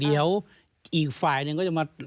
เดี๋ยวอีกฝ่ายหนึ่งก็จะมา